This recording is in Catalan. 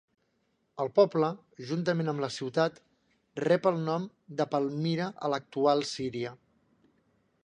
El poble, juntament amb la ciutat, rep el nom de Palmyra a l'actual Síria.